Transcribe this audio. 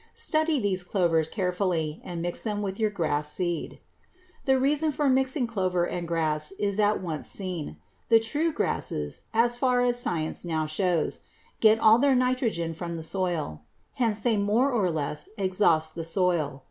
Study these clovers carefully and mix them with your grass seed. The reason for mixing clover and grass is at once seen. The true grasses, so far as science now shows, get all their nitrogen from the soil; hence they more or less exhaust the soil.